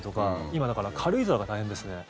今、だから軽井沢が大変ですね。